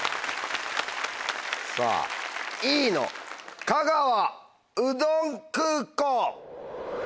さぁＥの「香川うどん空港」。